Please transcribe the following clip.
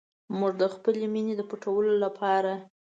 موږ د خپلې مینې د پټولو لپاره.